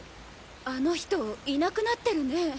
あの人いなくなってるね。